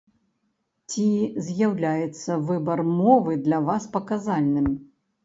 Ці з'яўляецца выбар мовы для вас паказальным?